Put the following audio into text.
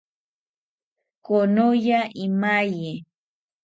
Konoya imaye